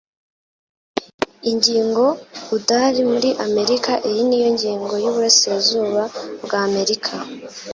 Ingingo Udall muri Amerika iyi niyo ngingo yiburasirazuba bwa Amerika